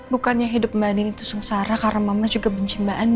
bukannya hidup mbak andin itu sengsara karena mama juga benci mbak andin